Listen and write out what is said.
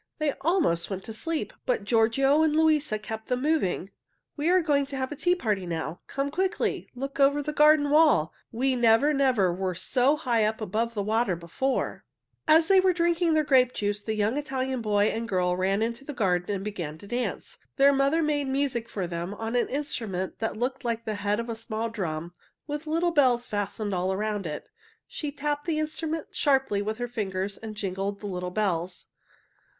They almost went to sleep, but Giorgio and Luisa kept them moving. We are going to have a tea party now. Come quickly, and look over the garden wall. We never, never were so high up above the water before!" [Illustration: A young Italian boy and girl began to dance] As they were drinking their grape juice, a young Italian boy and girl ran into the garden and began to dance. Their mother made music for them on an instrument that looked like the head of a small drum, with little bells fastened all around it. She tapped the instrument sharply with her fingers and jingled the little bells.